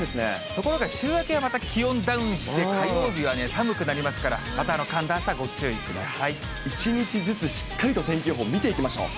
ところが週明けはまた気温ダウンして、火曜日は寒くなりますから、１日ずつしっかりと天気予報見ていきましょう。